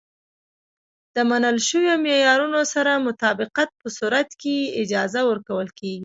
د منل شویو معیارونو سره مطابقت په صورت کې یې اجازه ورکول کېږي.